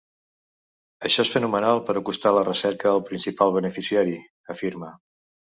Això és fonamental per acostar la recerca al principal beneficiari, afirma.